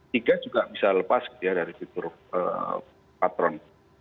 tiga juga bisa lepas dari figur patron